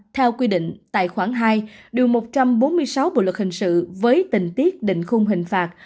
theo quy định tài khoản hai điều một trăm bốn mươi sáu bộ luật hình sự với tình tiết định khung hình phạt